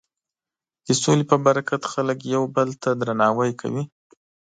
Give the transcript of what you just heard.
د سولې په برکت خلک یو بل ته درناوی کوي.